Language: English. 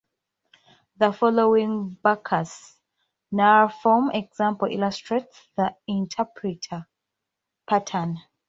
The following Backus-Naur form example illustrates the interpreter pattern.